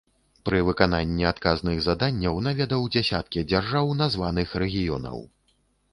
Пры выкананні адказных заданняў наведаў дзясяткі дзяржаў названых рэгіёнаў.